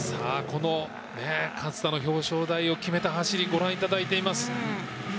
この勝田の表彰台を決めた走りご覧いただいています。